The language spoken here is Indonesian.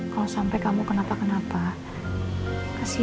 kalau sampai kamu kenapa kenapa kasihan alam kamu